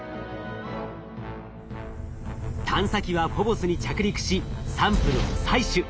探査機はフォボスに着陸しサンプルを採取。